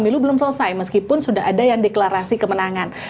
pemilu belum selesai meskipun sudah ada yang deklarasi kemenangan